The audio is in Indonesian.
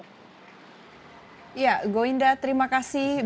ya gita gowinda terima kasih